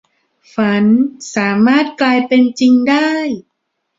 ฝันสามารถกลายเป็นจริงได้